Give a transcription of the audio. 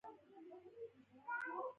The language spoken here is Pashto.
زه له بدو ملګرو څخه ډډه کوم.